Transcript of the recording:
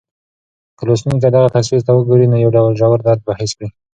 که لوستونکی دغه تصویر ته وګوري، نو یو ډول ژور درد به حس کړي.